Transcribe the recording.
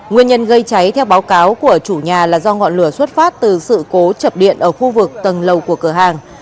nguyên nhân gây cháy theo báo cáo của chủ nhà là do ngọn lửa xuất phát từ sự cố chập điện ở khu vực tầng lầu của cửa hàng